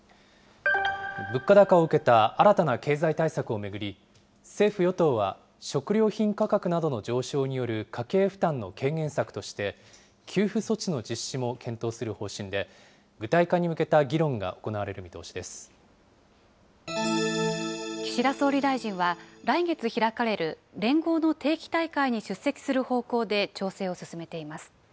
物価高を受けた新たな経済対策を巡り、政府・与党は食料品価格などの上昇による家計負担の軽減策として、給付措置の実施も検討する方針で、具体化に向けた議論が行われる見岸田総理大臣は、来月開かれる連合の定期大会に出席する方向で調整を進めています。